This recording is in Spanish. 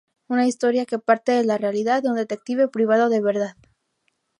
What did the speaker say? Una historia que parte de la realidad de un detective privado de verdad.